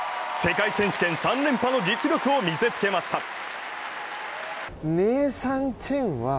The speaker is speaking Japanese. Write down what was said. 世界選手権３連覇の実力を見せつけました。